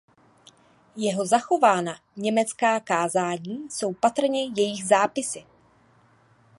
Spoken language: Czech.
Jeho zachovaná německá kázání jsou patrně jejich zápisy.